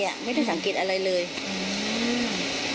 แล้วก็ช่วยกันนำนายธีรวรรษส่งโรงพยาบาล